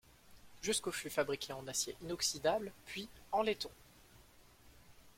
Jusqu'au fut fabriquée en acier inoxydable, puis, en laiton.